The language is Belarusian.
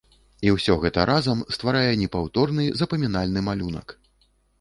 І ўсё гэта разам стварае непаўторны, запамінальны малюнак.